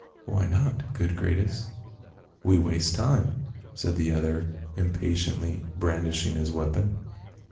" Why not, good Gratus. We waste time," said the other, impatiently brandishing his weapon.